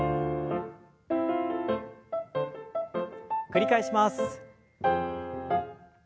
繰り返します。